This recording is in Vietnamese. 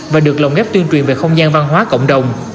và được lồng ghép tuyên truyền về không gian văn hóa cộng đồng